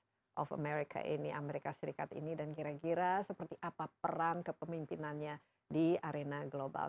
bagaimana of america ini amerika serikat ini dan kira kira seperti apa peran kepemimpinannya di arena global